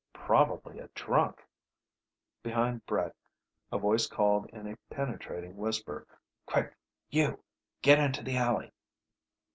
"Probably a drunk." Behind Brett a voice called in a penetrating whisper: "Quick! You! Get into the alley...!"